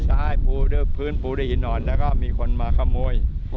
ใช่พื้นปูได้ยินนอนแล้วก็มีคนมาขโมย